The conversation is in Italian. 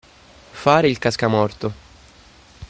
Fare il cascamorto.